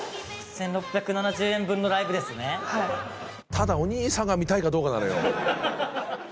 ただお兄さんが見たいかどうかなのよ。